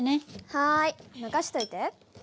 はい任しといて。